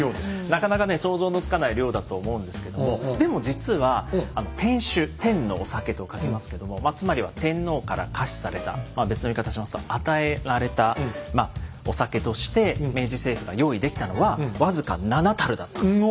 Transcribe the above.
なかなかね想像のつかない量だと思うんですけどもでも実は天酒「天」の「お酒」と書きますけどもまあつまりはまあ別の言い方しますと与えられたお酒として明治政府が用意できたのは僅か７たるだったんです。